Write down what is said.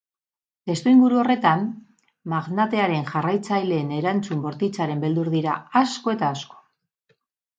Testuinguru horretan, magnatearen jarraitzaileen erantzun bortitzaren beldur dira asko eta asko.